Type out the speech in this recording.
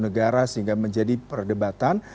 negara sehingga menjadi perdebatan